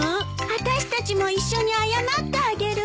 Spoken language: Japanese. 私たちも一緒に謝ってあげる。